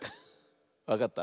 わかった？